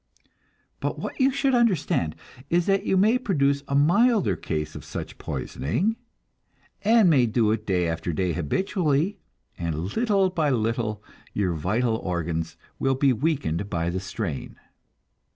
But what you should understand is that you may produce a milder case of such poisoning, and may do it day after day habitually, and little by little your vital organs will be weakened by the strain.